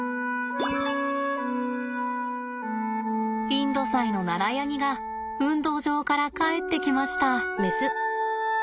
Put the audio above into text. インドサイのナラヤニが運動場から帰ってきました。